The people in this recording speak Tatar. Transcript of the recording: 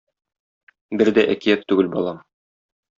Бер дә әкият түгел, балам.